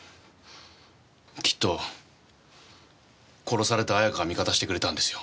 きっと殺された綾香が味方してくれたんですよ。